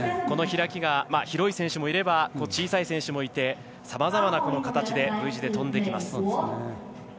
この開きが広い選手もいれば小さい選手もいてさまざまな形でＶ字で飛んできます。